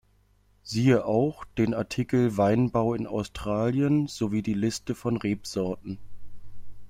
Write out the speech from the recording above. Siehe auch den Artikel Weinbau in Australien sowie die Liste von Rebsorten.